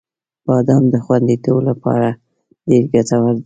• بادام د خوندیتوب لپاره ډېر ګټور دی.